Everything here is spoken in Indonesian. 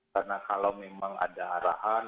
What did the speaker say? karena kalau memang ada arahan